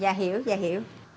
dạ hiểu dạ hiểu